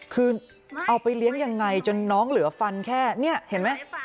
คือเอาไปเลี้ยงยังไงจนน้องเหลือฟันแค่นี่เห็นไหม